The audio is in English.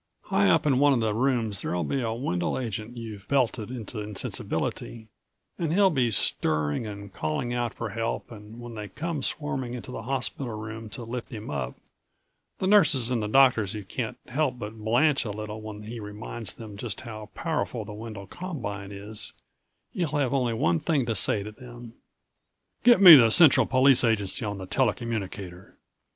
High up in one of the rooms there'll be a Wendel agent you've belted into insensibility and he'll be stirring and calling out for help and when they come swarming into the hospital room to lift him up the nurses and the doctors who can't help but blanch a little when he reminds them just how powerful the Wendel Combine is he'll have only one thing to say to them. "Get me the Central Police Agency on the tele communicator."